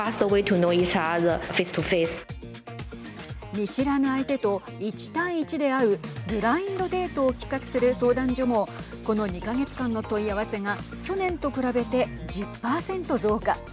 見知らぬ相手と１対１で会うブラインドデートを企画する相談所もこの２か月間の問い合わせが去年と比べて１０％増加。